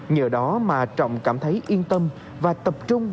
nhờ đó mà trọng cảm thấy yên tâm và tập trung